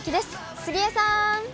杉江さん。